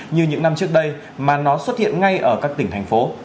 như những năm trước đây mà nó xuất hiện ngay ở các tỉnh thành phố